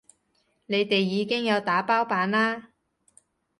你哋已經有打包版啦